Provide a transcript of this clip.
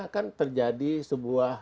kan terjadi sebuah